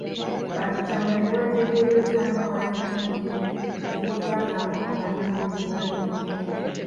Bano Kyagulanyi yabategeezezza nga bwalina bingi eby'okubagamba nga bannamawulire tebaliiwo.